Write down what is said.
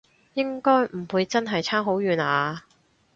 應該唔會真係差好遠啊？